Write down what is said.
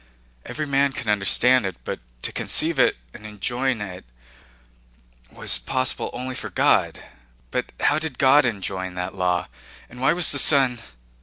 Every man can understand it, but to conceive it and enjoin it was possible only for God. But how did God enjoin that law? And why was the Son...?"